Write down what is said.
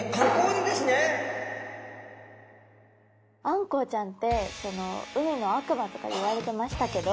あんこうちゃんって海の悪魔とかいわれてましたけど。